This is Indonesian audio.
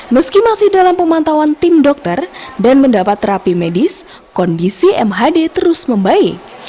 meski masih dalam pemantauan tim dokter dan mendapat terapi medis kondisi mhd terus membaik